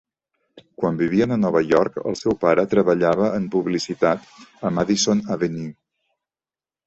Quan vivien a Nova York, el seu pare treballava en publicitat a Madison Avenue.